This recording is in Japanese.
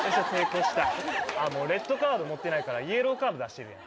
もうレッドカード持ってないから、イエローカード出してるやん。